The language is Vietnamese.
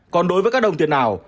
còn đối với các đồng tiền ảo